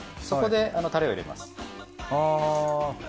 そこでタレを入れます。